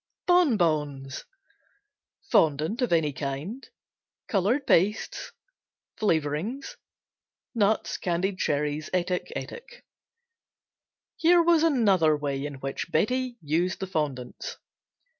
Bon Bons Fondant of any kind. Color pastes. Flavorings. Nuts, candied cherries, etc., etc. Here was another way in which Betsey used the fondants.